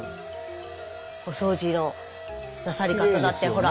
お掃除のなさり方だってほら